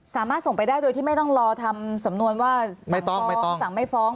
สามารถส่งไปได้โดยที่ไม่ต้องรอทำสำนวนว่าสั่งฟ้องสั่งไม่ฟ้อง